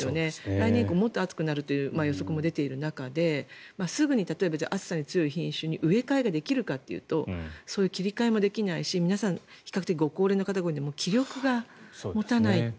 来年以降もっと暑くなるという予測も出ている中ですぐに暑さに強い品種に植え替えができるかというとそういう切り替えもできないし皆さん比較的ご高齢の方が多いので気力が持たないって。